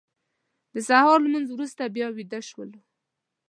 د سهار لمونځ وروسته بیا ویده شولو.